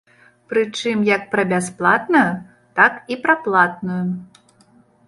Прычым як пра бясплатную, так і пра платную.